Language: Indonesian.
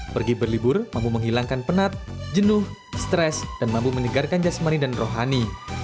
pergi berlibur mampu menghilangkan penat jenuh stres dan mampu menyegarkan jasmani dan rohani